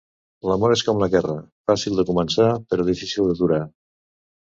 L'amor és com la guerra: fàcil de començar, però difícil d'aturar.